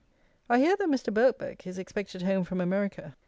I hear that Mr. Birkbeck is expected home from America!